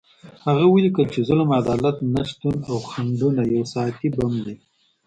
هغه ولیکل چې ظلم، عدالت نشتون او خنډونه یو ساعتي بم دی.